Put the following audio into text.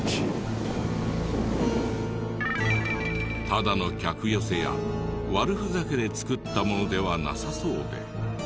ただの客寄せや悪ふざけで作ったものではなさそうで。